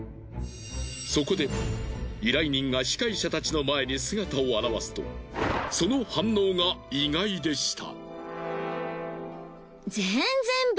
そこで依頼人が司会者たちの前に姿を現すとその反応が意外でした。